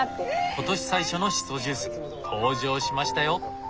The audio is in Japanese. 今年最初のしそジュース登場しましたよ。